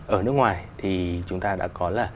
ở nước ngoài thì chúng ta đã có là